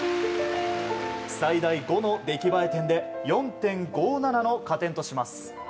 最大５の出来栄え点で４．５７の加点とします。